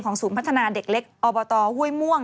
ศูนย์พัฒนาเด็กเล็กอบตห้วยม่วง